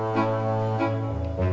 kan bunda udah gede